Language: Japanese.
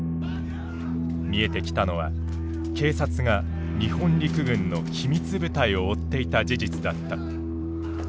見えてきたのは警察が日本陸軍の秘密部隊を追っていた事実だった。